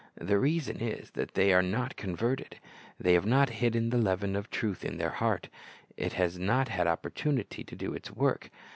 The reason is that they are not converted. They have not hidden the leaven of truth in the heart. It has not had opportunity to do its work.